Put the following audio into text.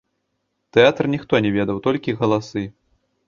Тэатр ніхто не ведаў, толькі галасы.